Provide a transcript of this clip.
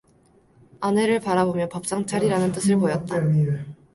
아내를 바라보며 밥상 차리라는 뜻을 보였다.